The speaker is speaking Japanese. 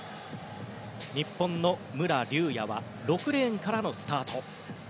日本の武良竜也は６レーンからのスタート。